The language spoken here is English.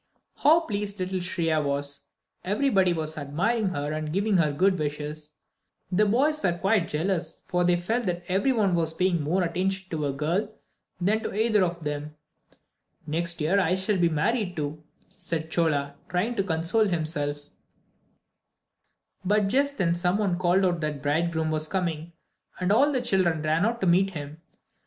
How pleased little Shriya was! Everybody was admiring her and giving her good wishes. The boys were quite jealous, for they felt that every one was paying more attention to a girl than to either of them. "Next year I shall be married, too," said Chola, trying to console himself. [Illustration: THE MARRIAGE OF SHRIYA.] But just then some one called out that the bridegroom was coming, and all the children ran out to meet him.